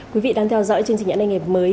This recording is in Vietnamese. quý vị đang theo dõi chương trình nhãn anh hẹp mới